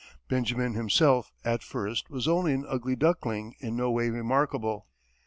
Benjamin himself, at first, was only an ugly duckling in no way remarkable.